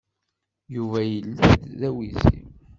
Yuba yella-d d awizi.